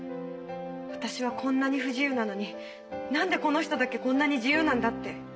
私はこんなに不自由なのになんでこの人だけこんなに自由なんだって。